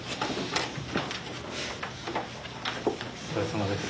お疲れさまです。